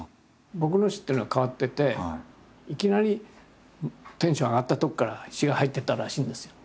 僕の詩っていうのは変わってていきなりテンション上がったとこから詩が入ってったらしいんですよ。